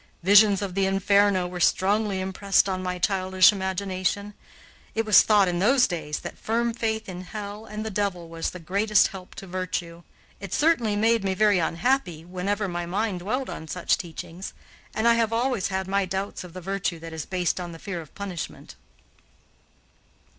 Visions of the Inferno were strongly impressed on my childish imagination. It was thought, in those days, that firm faith in hell and the devil was the greatest help to virtue. It certainly made me very unhappy whenever my mind dwelt on such teachings, and I have always had my doubts of the virtue that is based on the fear of punishment.